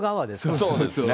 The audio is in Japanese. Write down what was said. そうですよね。